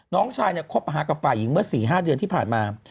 น้องชายเนี่ยคบหากับฝ่ายหญิงเมื่อ๔๕เดือนที่ผ่านมา